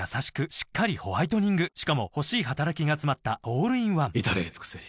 しっかりホワイトニングしかも欲しい働きがつまったオールインワン至れり尽せり